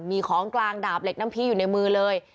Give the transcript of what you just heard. มีของกลางดาบเหล็กน้ำพีอยู่ในมือเลย